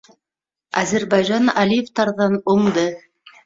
Азербайжан Алиевтарҙан уңды